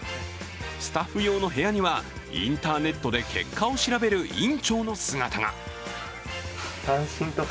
スタッフ用の部屋には、インターネットで結果を調べる院長の姿が。